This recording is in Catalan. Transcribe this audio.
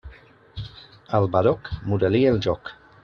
Al badoc muda-li el joc.